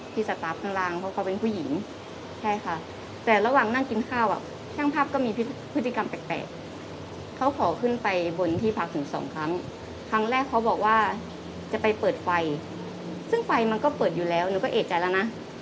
สตาร์ฟข้างล่างเพราะเขาเป็นผู้หญิงใช่ค่ะแต่ระหว่างนั่งกินข้าวอ่ะช่างภาพก็มีพฤติกรรมแปลกเขาขอขึ้นไปบนที่พักถึงสองครั้งครั้งแรกเขาบอกว่าจะไปเปิดไฟซึ่งไฟมันก็เปิดอยู่แล้วหนูก็เอกใจแล้วนะ